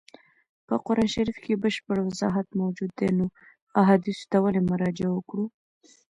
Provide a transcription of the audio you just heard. په قرآن شریف کي بشپړ وضاحت موجود دی نو احادیثو ته ولي مراجعه وکړو.